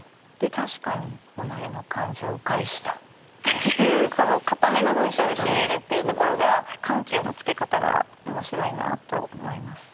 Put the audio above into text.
「たしかに己の感情を害した」っていうこの堅めの文章で締めるっていうところが緩急のつけ方が面白いなと思います。